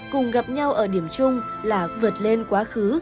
cùng gặp nhau ở điểm chung là vượt lên quá khứ